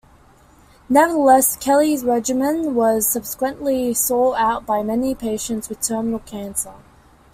Nevertheless, Kelley's regimen was subsequently sought out by many patients with terminal cancer.